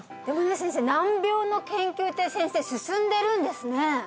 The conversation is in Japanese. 先生難病の研究って先生進んでるんですね